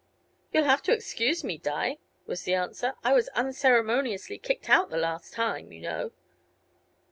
"You'll have to excuse me, Di," was the answer. "I was unceremoniously kicked out the last time, you know."